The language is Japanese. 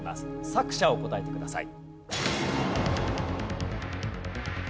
作者を答えてください。